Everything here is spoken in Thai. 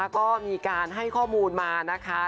ก็มีการให้ข้อมูลมานะคะ